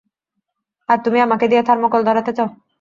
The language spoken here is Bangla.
আর তুমি আমাকে দিয়ে থার্মোকল ধরাতে চাও?